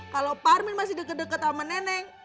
kalo pak arwin masih deket deket sama neneng